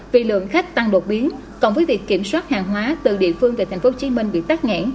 vì lượng khách tăng đột biến cộng với việc kiểm soát hàng hóa từ địa phương về tp hcm bị tác ngã